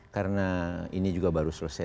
karena ini juga baru selesai